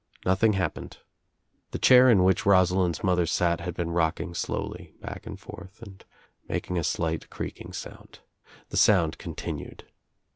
Nothing happened. The chair in which Rosalind's mother sat had been rocking slowly back and forth and making a slight creaking sound. The sound continued.